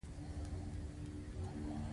دوی د پلونو کارولو لپاره پیسې ورکولې.